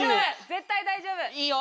絶対大丈夫！